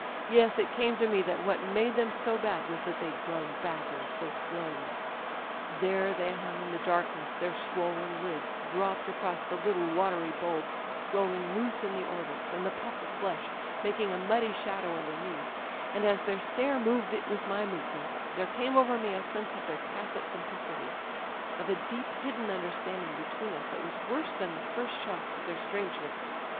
Yes â€" it came to me that what made them so bad was that they'd grown bad so slowly ... ''There they hung in the darkness, their swollen lids dropped across the little watery bulbs rolling loose in the orbits, and the puff of flesh making a muddy shadow underneath â€" and as their stare moved with my movements, there came over me a sense of their tacit complicity, of a deep hidden understanding between us that was worse than the first shock of their strangeness.